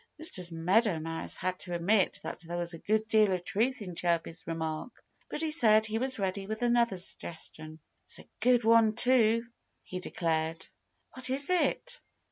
Mr. Meadow Mouse had to admit that there was a good deal of truth in Chirpy's remark. But he said he was ready with another suggestion. "It's a good one, too," he declared. "What is it?"